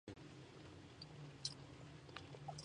Los vigías deben informar de todo lo que vean o sientan.